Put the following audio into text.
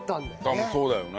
多分そうだよね。